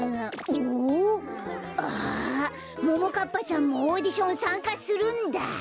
あももかっぱちゃんもオーディションさんかするんだ。